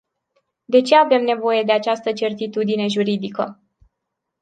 De ce avem nevoie de această certitudine juridică?